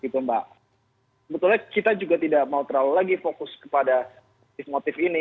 sebetulnya kita juga tidak mau terlalu lagi fokus kepada motif motif ini